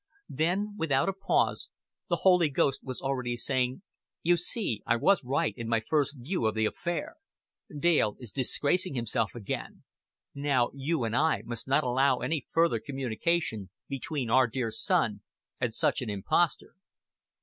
Thus, without a pause, the Holy Ghost was already saying, "You see I was right in my first view of the affair. Dale is disgracing himself again. Now You and I must not allow any further communication between Our dear Son and such an impostor."